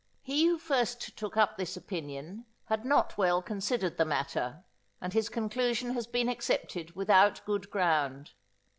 He who first took up this opinion had not well considered the matter, and his conclusion has been accepted without good ground.